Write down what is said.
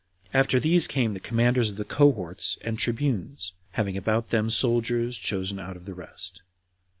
After these came the commanders of the cohorts and tribunes, having about them soldiers chosen out of the rest.